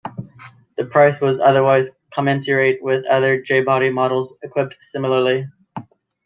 The price was otherwise commensurate with other J-body models equipped similarly.